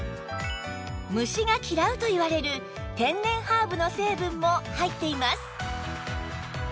虫が嫌うといわれる天然ハーブの成分も入っています